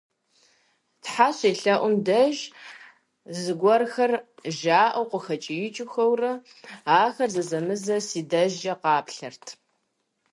Тхьэ щелъэӀум деж, зыгуэрхэр жаӀэу къыхэкӀиикӀыурэ, ахэр зэзэмызэ си дежкӀэ къаплъэрт.